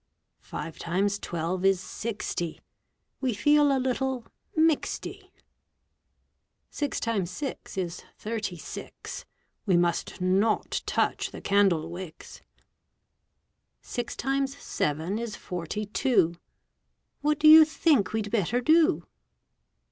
Five times twelve is sixty. We feel a little mixed y. Six times six is thirty six. We must not touch the candle wicks. Six times seven is forty two. What do you think we'd better do?